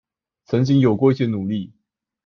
曾經有過一些努力